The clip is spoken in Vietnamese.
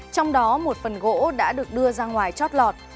trong đó một phần gỗ đã được đưa ra ngoài chót lọt